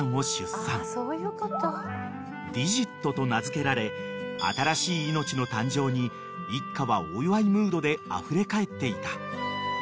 ［ディジットと名付けられ新しい命の誕生に一家はお祝いムードであふれかえっていた］